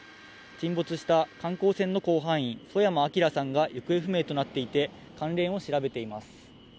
沈没した観光船の甲板員、曽山聖さんが行方不明となっていて、関連を調べています。